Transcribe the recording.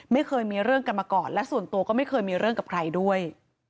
ไม่เคยมีเรื่องกันมาก่อนและส่วนตัวก็ไม่เคยมีเรื่องกับใครด้วย